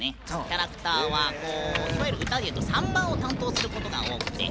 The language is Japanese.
キャラクターは歌で言うと３番を担当することが多くて。